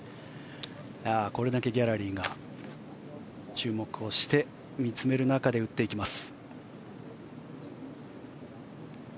これだけギャラリーが注目をして見つめる中で打っていきます。